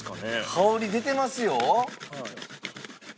香り出てますよ！